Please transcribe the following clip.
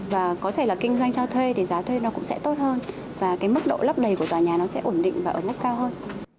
và có thể là kinh doanh cho thuê thì giá thuê nó cũng sẽ tốt hơn và cái mức độ lấp đầy của tòa nhà nó sẽ ổn định và ở mức cao hơn